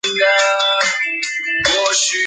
译名参照尖端代理的中文版。